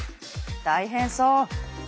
大変そう！